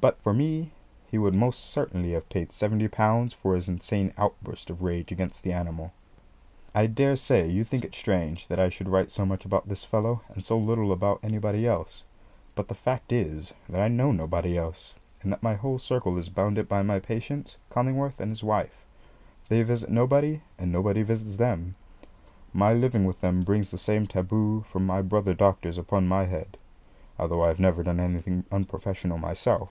But for me he would most certainly have paid seventy pounds for his insane outburst of rage against the animal. I daresay you think it strange that I should write so much about this fellow and so little about anybody else; but the fact is, that I know nobody else, and that my whole circle is bounded by my patients, Cullingworth and his wife. They visit nobody, and nobody visits them. My living with them brings the same taboo from my brother doctors upon my head, although I have never done anything unprofessional myself.